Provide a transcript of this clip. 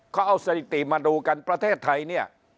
เขาเอาสถิติมาดูกันประเทศไทยเนี่ย